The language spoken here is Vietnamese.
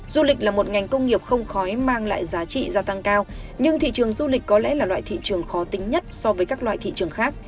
du lịch là một ngành công nghiệp không khói mang lại giá trị gia tăng cao nhưng thị trường du lịch có lẽ là loại thị trường khó tính nhất so với các loại thị trường khác